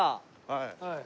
はい。